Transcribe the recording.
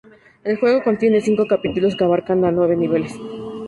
El juego contiene cinco capítulos que abarcan nueve niveles.